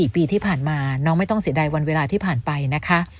๔ปีที่ผ่านมาน้องไม่ต้องเสียดายวันเวลาที่ผ่านไปนะคะ